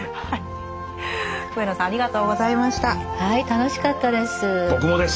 楽しかったです。